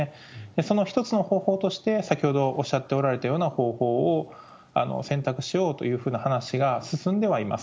その一つの方法として、先ほどおっしゃっておられたような方法を選択しようというふうな話が進んではいます。